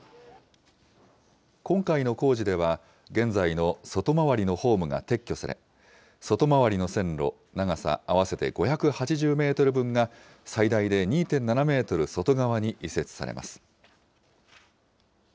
今回の工事では、現在の外回りのホームが撤去され、外回りの線路、長さ合わせて５８０メートル分が、最大で２．７メートル外側に移設されます。